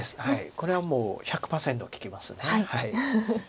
これはもう１００％利きます。